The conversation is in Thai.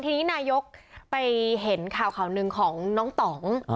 ทีนี้นายกไปเห็นข่าวข่าวหนึ่งของน้องต่อง